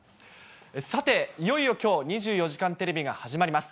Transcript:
さて、いよいよきょう、２４時間テレビが始まります。